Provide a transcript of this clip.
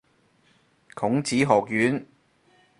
孔子學院